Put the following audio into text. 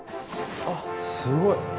あすごい。